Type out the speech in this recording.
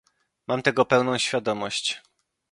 Mam tego pełną świadomość